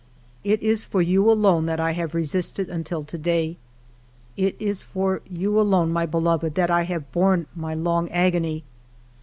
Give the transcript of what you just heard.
" It is for you alone that I have resisted until to day ; it is for you alone, my beloved, that I have borne my long agony.